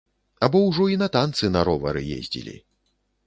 Або ўжо і на танцы на ровары ездзілі.